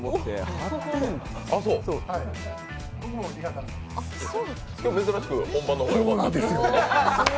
８点今日は珍しく本番の方がよかった。